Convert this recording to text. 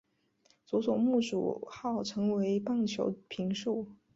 佐佐木主浩成为棒球评述。